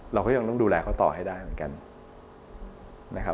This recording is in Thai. เราก็ยังต้องดูแลเขาต่อให้ได้เหมือนกันนะครับ